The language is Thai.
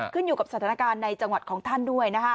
ขึ้นอยู่กับสถานการณ์ในจังหวัดของท่านด้วย